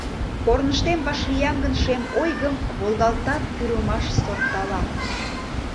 Корныштем вашлиям гын шем ойгым, Волгалтат пӱрымаш сортала.